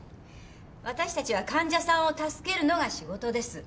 私たちは患者さんを助けるのが仕事です。